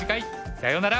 さようなら！